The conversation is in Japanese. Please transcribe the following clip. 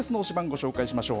ご紹介しましょう。